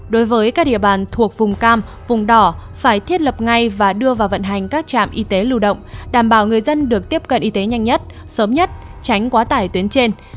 đối với các địa bàn thuộc vùng cam vùng đỏ phải thiết lập ngay và đưa vào vận hành các trạm y tế lưu động đảm bảo người dân được tiếp cận y tế nhanh nhất sớm nhất tránh quá tải tuyến trên